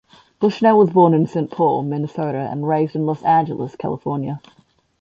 Bushnell was born in Saint Paul, Minnesota and raised in Los Angeles, California.